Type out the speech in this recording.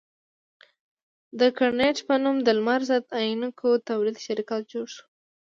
د ګرېنټ په نوم د لمر ضد عینکو تولید شرکت جوړ شو.